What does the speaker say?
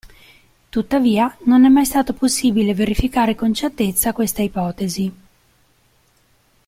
Tuttavia, non è mai stato possibile verificare con certezza questa ipotesi.